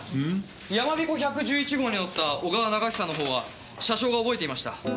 やまびこ１１１号に乗った小川長久の方は車掌が覚えていました。